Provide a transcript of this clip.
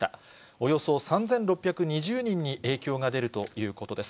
およそ３６２０人に影響が出るということです。